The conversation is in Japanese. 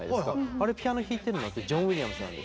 あれピアノ弾いてるのってジョン・ウィリアムズなんですよ。